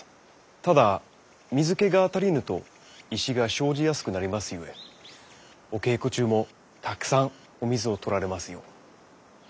ただ水けが足りぬと石が生じやすくなりますゆえお稽古中もたくさんお水をとられますよう。